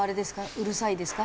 うるさいですか？